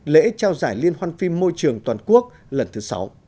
lễ trao giải liên hoan phim môi trường toàn quốc lần thứ sáu